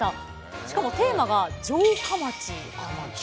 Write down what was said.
しかもテーマが「城下町」なんです。